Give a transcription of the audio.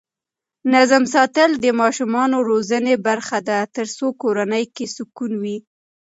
نظم ساتل د ماشومانو روزنې برخه ده ترڅو کورنۍ کې سکون وي.